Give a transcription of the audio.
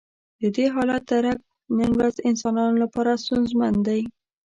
د دې حالت درک نن ورځ انسانانو لپاره ستونزمن دی.